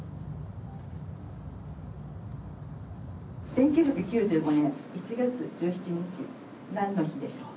１９９５年１月１７日何の日でしょう？